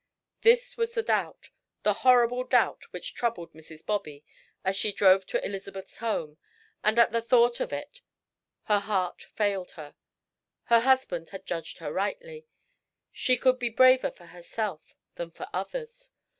This was the doubt the horrible doubt, which troubled Mrs. Bobby as she drove to Elizabeth's home, and at the thought of it her heart failed her. Her husband had judged her rightly she could be braver for herself than for others.